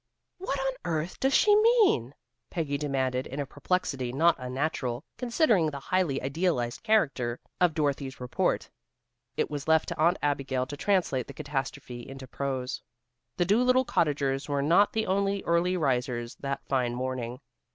"What on earth does she mean?" Peggy demanded in a perplexity not unnatural, considering the highly idealized character of Dorothy's report. It was left to Aunt Abigail to translate the catastrophe into prose. The Dolittle Cottagers were not the only early risers that fine morning.